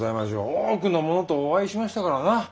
多くの者とお会いしましたからな。